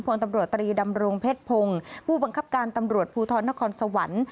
พลตำรวจตรีดำรงเพชรพงศ์ผู้บังคับการตำรวจภูทรนครสวรรค์